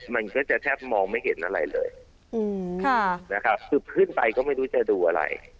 มันก็จะแทบมองไม่เห็นอะไรเลยนะครับคือขึ้นไปก็ไม่รู้จะดูอะไร